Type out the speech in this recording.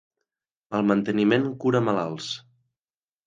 El manteniment cura malalts.